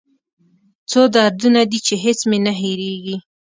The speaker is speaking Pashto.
څو دردونه دي چې هېڅ مې نه هېریږي